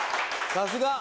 さすが。